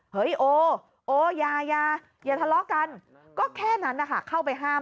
เฮ้ยโอโออย่าอย่าทะเลาะกันก็แค่นั้นนะคะเข้าไปห้าม